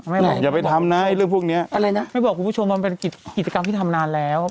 เฮ้ยไปทำนะให้เรื่องพวกเนี้ยมาบอกทั้งผู้ชมบันนะไปกิจกรรมทำนานแล้ว